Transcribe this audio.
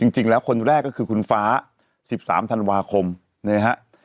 จริงแล้วคนแรกก็คือคุณฟ้า๑๓ธันวาคมนะฮะ